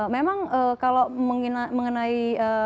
memang kalau mengenai